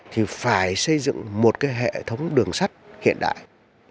thì phải xây dựng một cái hệ thống đường sắt hiện đại